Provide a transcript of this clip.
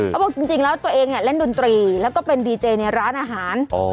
บอกจริงแล้วตัวเองเล่นดนตรีแล้วก็เป็นดีเจในร้านอาหาร